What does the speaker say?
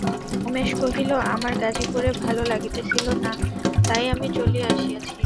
উমেশ কহিল, আমার গাজিপুরে ভালো লাগিতেছিল না, তাই আমি চলিয়া আসিয়াছি।